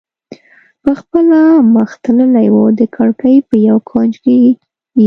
په خپله مخه تللی و، د کړکۍ په یو کونج کې یې.